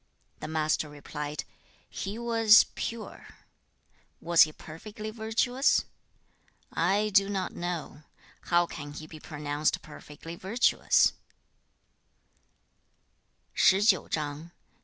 The Master replied, 'He was pure.' 'Was he perfectly virtuous?' 'I do not know. How can he be pronounced perfectly virtuous?'